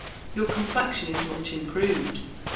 Your complexion is much improved.